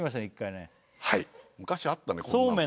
一回ねはい昔あったね